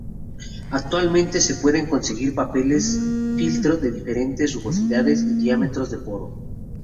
Actualmente se pueden conseguir papeles filtro de diferentes rugosidades y diámetros de poro.